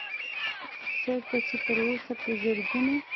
چرته چې تر اوسه پۀ زرګونو